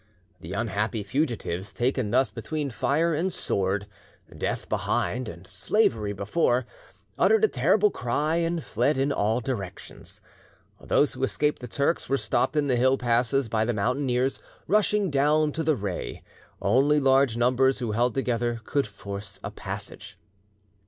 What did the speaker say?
The unhappy fugitives, taken thus between fire and sword, death behind and slavery before, uttered a terrible cry, and fled in all directions. Those who escaped the Turks were stopped in the hill passes by the mountaineers rushing down to the rey; only large numbers who held together could force a passage.